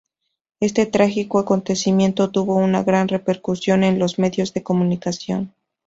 Este trágico acontecimiento tuvo una gran repercusión en los medios de comunicación.